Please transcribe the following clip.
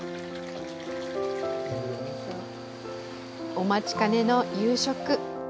お待ちかねの夕食。